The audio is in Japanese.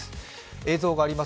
映像があります